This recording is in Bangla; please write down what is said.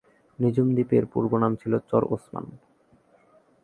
নিঝুম দ্বীপের পূর্ব নাম ছিলো "চর-ওসমান"।